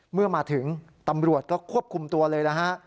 เมื่อมาถึงตำรวจก็ควบคุมตัวเลยนะฮะ